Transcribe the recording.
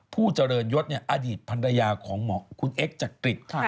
ผู้เจริญยศอดีตพนายาของหมอคุณเอ็กซ์จากตริต